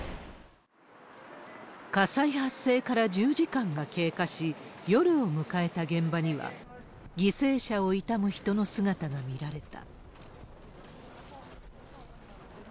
火災発生から１０時間が経過し、夜を迎えた現場には、犠牲者を悼む人の姿が見られた。